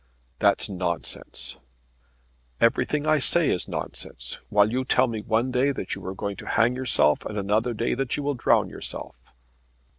"That's nonsense." "Everything I say is nonsense, while you tell me one day that you are going to hang yourself, and another day that you will drown yourself."